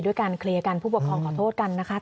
การเคลียร์กันผู้ปกครองขอโทษกันนะคะ